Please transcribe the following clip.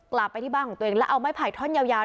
กลับไปที่บ้านของตัวเองแล้วเอาไม้ไผ่ท่อนยาว